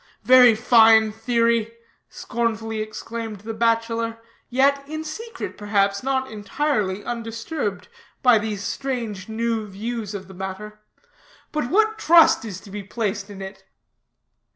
'" "Very fine theory," scornfully exclaimed the bachelor, yet in secret, perhaps, not entirely undisturbed by these strange new views of the matter; "but what trust is to be placed in it?"